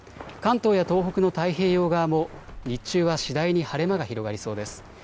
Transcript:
関東や東北の太平洋側も日中は次第に晴れ間が広がりそうです。